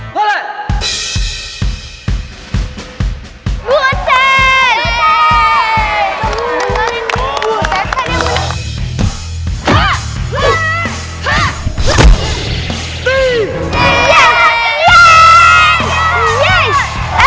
kamu udah ketemu sama duduk duduk duduk itu udah kangen banget sama kamu oh iya